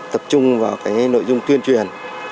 tập trung vào cái nội dung tuyên truyền